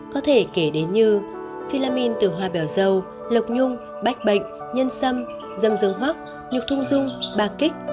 có thể kể đến như philamin từ hoa bèo dâu lộc nhung bách bệnh nhân sâm dâm dương hoác nhục thung dung bạc kích